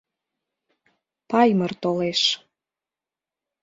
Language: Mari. Паймыр толеш.